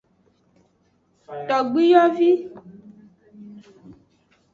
Togbiyovi.